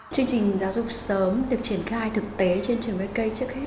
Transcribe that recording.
chương trình giáo dục sớm được triển khai thực tế trên trường bk trước hết